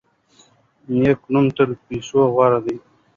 نیک نوم تر پیسو غوره دی.